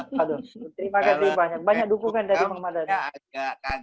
terima kasih banyak banyak banyak dukungan dari pak mardhani